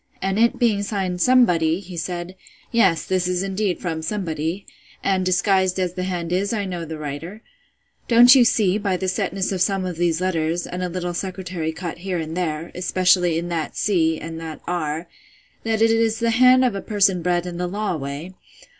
And it being signed Somebody, he said, Yes, this is indeed from Somebody; and, disguised as the hand is, I know the writer: Don't you see, by the setness of some of these letters, and a little secretary cut here and there, especially in that c, and that r, that it is the hand of a person bred in the law way?